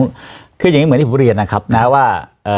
คืออย่างนี้เหมือนที่ผมเรียนนะครับนะว่า